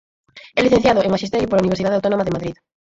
É licenciado en Maxisterio pola Universidade Autónoma de Madrid.